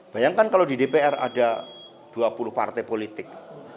bayangkan kalau di dpr ada dua puluh partai politik